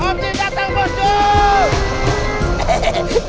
om jinn datang bonsul